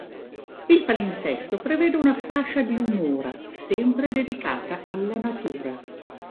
Il palinsesto prevede una fascia di un'ora sempre dedicata alla Natura.